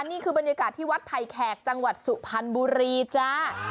นี่คือบรรยากาศที่วัดไผ่แขกจังหวัดสุพรรณบุรีจ้า